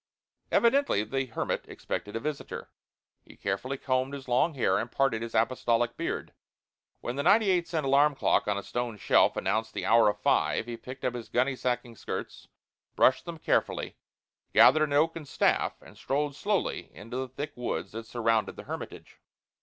Evidently the hermit expected a visitor. He carefully combed his long hair and parted his apostolic beard. When the ninety eight cent alarm clock on a stone shelf announced the hour of five he picked up his gunny sacking skirts, brushed them carefully, gathered an oaken staff, and strolled slowly into the thick woods that surrounded the hermitage.